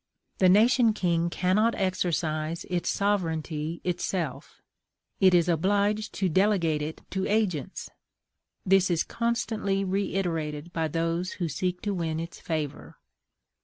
The nation king cannot exercise its sovereignty itself; it is obliged to delegate it to agents: this is constantly reiterated by those who seek to win its favor.